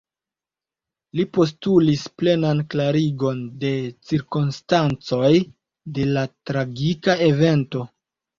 Li postulis plenan klarigon de cirkonstancoj de la tragika evento.